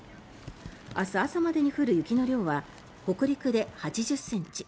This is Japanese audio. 明日朝までに降る雪の量は北陸で８０ｃｍ